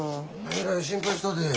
えらい心配したで。